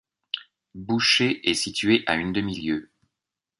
Boucher et située à une demi-lieue.